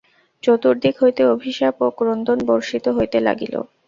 চতুর্দিক হইতে অভিশাপ ও ক্রন্দন বর্ষিত হইতে লাগিল।